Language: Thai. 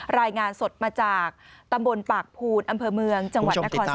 รายงานสดมาจากตำบลปากภูนอำเภอเมืองจังหวัดนคร